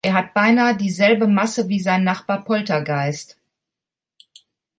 Er hat beinahe dieselbe Masse wie sein Nachbar Poltergeist.